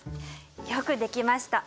よくできました。